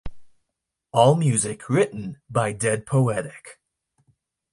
All music written by Dead Poetic.